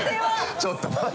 ちょっと待って！